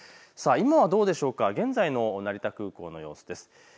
今はどうでしょうか、現在の成田空港の様子です。